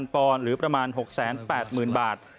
๑๗๐๐๐ปอนดิ์หรือประมาณ๖๘๐๐๐๐บาท